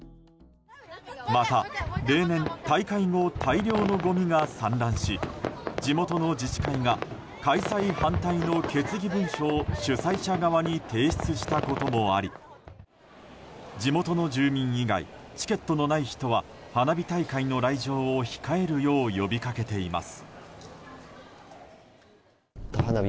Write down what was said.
また、例年大会後大量のごみが散乱し地元の自治会が開催反対の決議文書を主催者側に提出したこともあり地元の住民以外チケットのない人は花火大会の来場を控えるよう呼びかけています。